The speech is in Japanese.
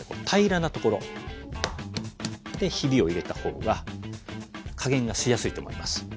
平らなところでヒビを入れた方が加減がしやすいと思います。